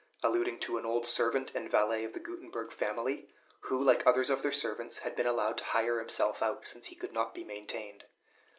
alluding to an old servant and valet of the Gutenberg family, who, like others of their servants, had been allowed to hire himself out, since he could not be maintained.